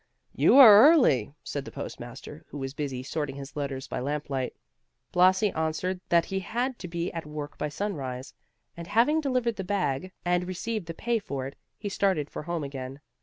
"You are early," said the post master, who was busy sorting his letters by lamplight. Blasi answered that he had to be at work by sunrise, and having delivered the bag and received the pay for it, he started for home again.